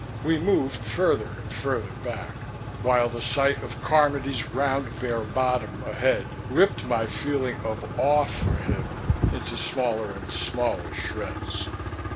We moved further and further back, while the sight of Carmody's round, bare bottom ahead ripped my feeling of awe for him into smaller and smaller shreds.